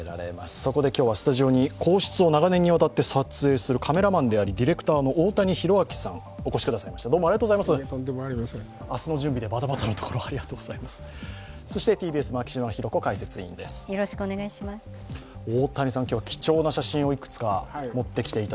そこで今日はスタジオに皇室を長年にわたって撮影するカメラマンでありディレクターの大谷丕昭さん、お越しくださいました。